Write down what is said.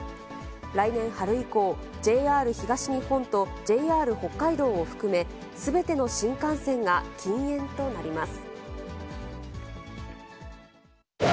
来年春以降、ＪＲ東日本とＪＲ北海道を含め、すべての新幹線が禁煙となります。